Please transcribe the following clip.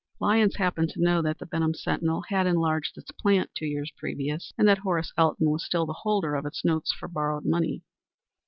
Lyons happened to know that the Benham Sentinel had enlarged its plant two years previous, and that Horace Elton was still the holder of its notes for borrowed money.